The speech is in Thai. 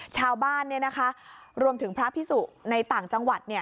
ชาวบ้านรวมถึงพระพิสุในต่างจังหวัด